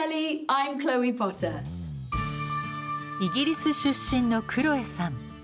イギリス出身のクロエさん。